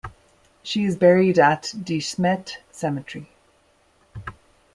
She is buried at De Smet Cemetery.